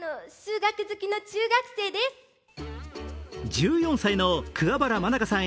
１４歳の桑原愛佳さん